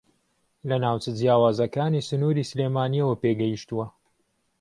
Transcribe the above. لە ناوچە جیاوازەکانی سنووری سلێمانییەوە پێگەیشتووە